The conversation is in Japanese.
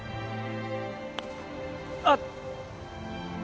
あっ